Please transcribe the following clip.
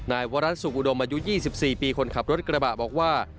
นายวรัสสุขอุดมอายุ๒๔ปีคนขับรถกระบะบอกว่า